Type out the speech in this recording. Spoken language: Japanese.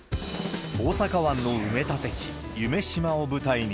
大阪湾の埋め立て地、夢洲を舞台に、